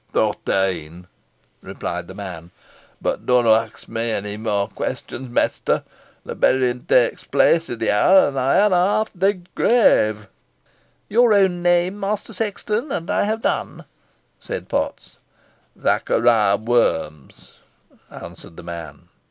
"Throtteen," replied the man; "boh dunna ax me ony more questions, mester. Th' berrin takes place i' an hour, an ey hanna half digg'd th' grave." "Your own name, Master Sexton, and I have done?" said Potts. "Zachariah Worms," answered the man.